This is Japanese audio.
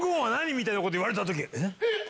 みたいなこと言われた時。